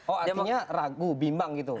oh artinya ragu bimbang gitu